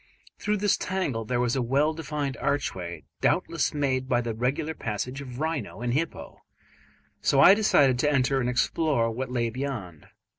Through this tangle there was a well defined archway, doubtless made by the regular passage of rhino and hippo, so I decided to enter and explore what lay beyond.